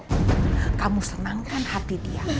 kamu senangkan hati dia